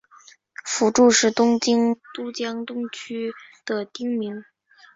福住是东京都江东区的町名。